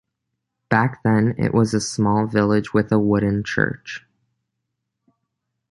Back then it was a small village with a wooden church.